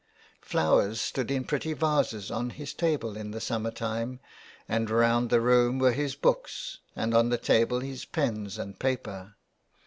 Flowers stood in pretty vases on his table in the summer time and around the room were his books, and on the table his pens and paper.